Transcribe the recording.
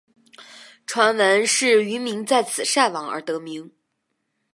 传闻是渔民在此晒网而得名。